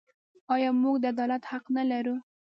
آیا موږ د عدالت حق نلرو؟